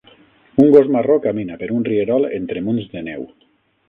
Un gos marró camina per un rierol entre munts de neu